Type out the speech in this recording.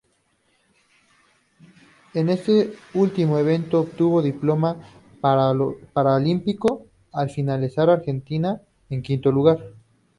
En este último evento obtuvo diploma paralímpico al finalizar Argentina en quinto lugar.